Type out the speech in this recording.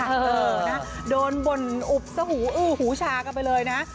เออนะโดนบ่นอุบสหูอื้อหูชากันไปเลยนะ